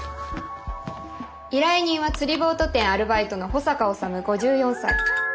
依頼人は釣りボート店アルバイトの保坂修５４歳。